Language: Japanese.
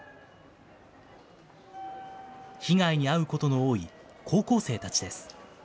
被害に遭うことの多い高校生たちです。